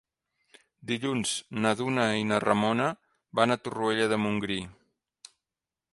Dilluns na Duna i na Ramona van a Torroella de Montgrí.